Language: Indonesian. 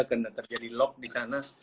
karena terjadi lock disana